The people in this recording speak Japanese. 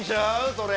それ。